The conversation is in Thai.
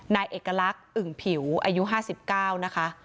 นายเอกลักษณ์อึ่งผิวอายุ๕๙นะคะ